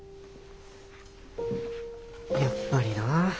やっぱりなあ。